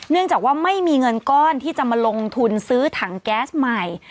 เนื่องจากว่าไม่มีเงินก้อนที่จะมาลงทุนซื้อถังแก๊สใหม่